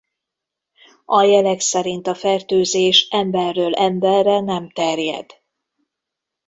A jelek szerint a fertőzés emberről emberre nem terjed.